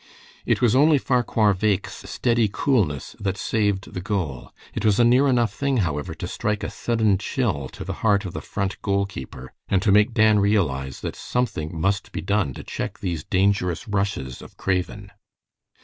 It was only Farquhar Bheg's steady coolness that saved the goal. It was a near enough thing, however, to strike a sudden chill to the heart of the Front goal keeper, and to make Dan realize that something must be done to check these dangerous rushes of Craven.